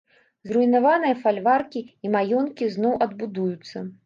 Зруйнаваныя фальваркі і маёнткі зноў адбудуюцца.